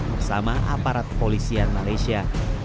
bersama aparat polisian malaysia